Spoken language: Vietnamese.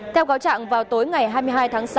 theo cáo trạng vào tối ngày hai mươi hai tháng sáu